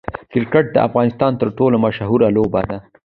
کرکټ د افغانستان تر ټولو مشهوره لوبه ده.